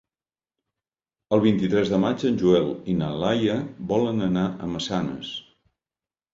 El vint-i-tres de maig en Joel i na Laia volen anar a Massanes.